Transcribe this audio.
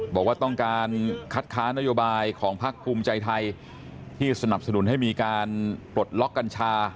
บอกว่าต้องการคัดค้านนโยบายของพักภูมิใจไทยที่สนับสนุนให้มีการปลดล็อกกัญชา